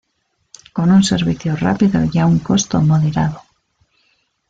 Con un servicio rápido y a un costo moderado.